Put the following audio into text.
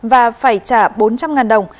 và phải trả bốn trăm linh đồng